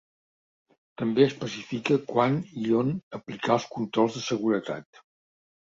També especifica quan i on aplicar els controls de seguretat.